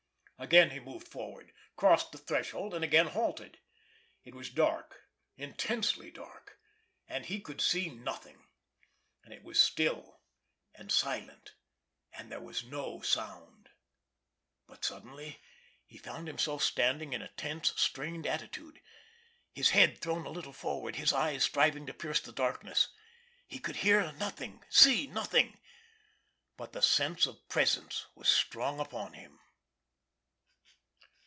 Again he moved forward, crossed the threshold, and again halted. It was dark, intensely dark, and he could see nothing; and it was still and silent, and there was no sound. But suddenly he found himself standing in a tense, strained attitude, his head thrown a little forward, his eyes striving to pierce the darkness. He could hear nothing, see nothing—but the sense of presence was strong upon him.